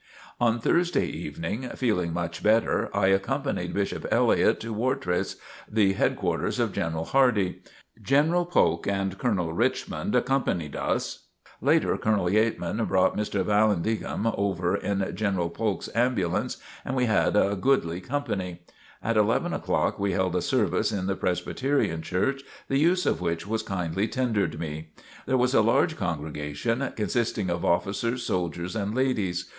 On Thursday morning, feeling much better, I accompanied Bishop Elliott to Wartrace, the headquarters of General Hardee. General Polk and Colonel Richmond accompanied us. Later Colonel Yeatman brought Mr. Vallandigham over in General Polk's ambulance and we had a "goodlie companie." At eleven o'clock we held a service in the Presbyterian Church, the use of which was kindly tendered me. There was a large congregation, consisting of officers, soldiers and ladies.